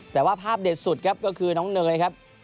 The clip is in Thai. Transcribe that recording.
แต่ว่าภาพเด็ดสุดครับก็คือน้องเนยครับ